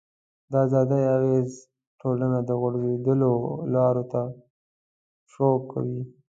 د ازادۍ اغېز ټولنه د غوړېدلو لارو ته سوق کوي.